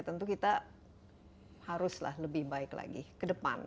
tentu kita haruslah lebih baik lagi ke depan